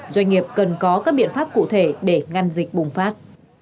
doanh nghiệp cần có các biện pháp cụ thể để ngăn dịch bùng phát